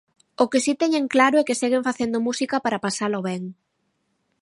O que si teñen claro é que seguen facendo música para pasalo ben.